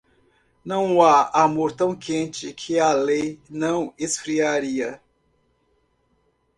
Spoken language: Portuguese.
Não há amor tão quente que a lei não esfriaria.